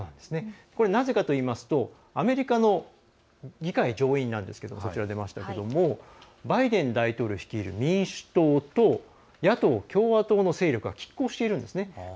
なぜかといいますとアメリカの議会上院なんですけれどもバイデン大統領率いる民主党と野党・共和党の勢力がきっ抗しているんですね。